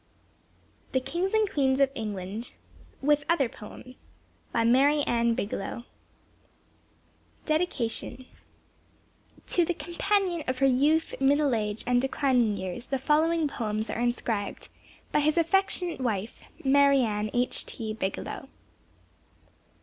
] THE KINGS AND QUEENS OF ENGLAND WITH OTHER POEMS BY MARY ANN H.T. BIGELOW PUBLISHED FOR THE AUTHOR MDCCCLIII. TO THE COMPANION OF HER YOUTH, MIDDLE AGE, AND DECLINING YEARS, THE FOLLOWING POEMS ARE INSCRIBED BY HIS AFFECTIONATE WIFE, MARY ANN H.T. BIGELOW.